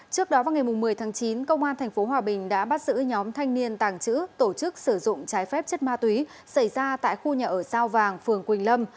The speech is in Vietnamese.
trước đó vào ngày một mươi tháng chín công an tp hòa bình đã bắt giữ nhóm thanh niên tàng trữ tổ chức sử dụng trái phép chất ma túy xảy ra tại khu nhà ở sao vàng phường quỳnh lâm